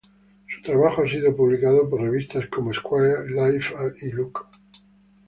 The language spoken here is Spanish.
Su trabajo ha sido publicado por revistas como "Esquire", "Life", y "Look".